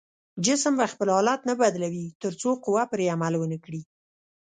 جسم به خپل حالت نه بدلوي تر څو قوه پرې عمل ونه کړي.